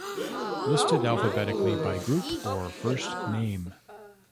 Listed alphabetically by group or first name.